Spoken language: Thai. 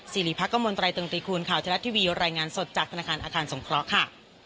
สิริพักกมลตรายตึงตีคูณข่าวทะลัดทีวีรายงานสดจากธนาคารอาคารสงเคราะห์ค่ะ